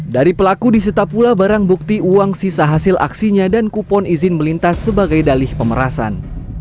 dari pelaku disita pula barang bukti uang sisa hasil aksinya dan kupon izin melintas sebagai dalih pemerasan